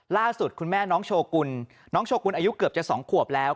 ล่าสุดคุณแม่น้องโชกุลน้องโชกุลอายุเกือบจะ๒ขวบแล้ว